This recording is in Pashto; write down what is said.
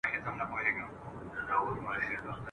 پر سړي باندي باران سو د لوټونو !.